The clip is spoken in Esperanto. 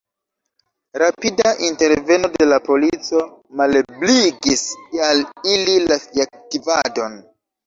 Rapida interveno de la polico malebligis al ili la fiaktivadon.